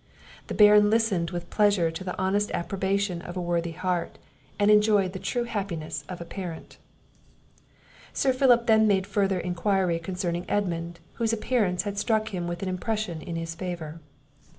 The Baron listened with pleasure to the honest approbation of a worthy heart, and enjoyed the true happiness of a parent. Sir Philip then made further enquiry concerning Edmund, whose appearance had struck him with an impression in his favour.